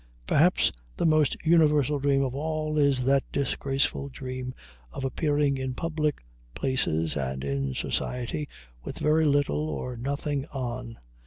Perhaps the most universal dream of all is that disgraceful dream of appearing in public places and in society with very little or nothing on.